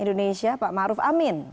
indonesia pak ma'ruf amin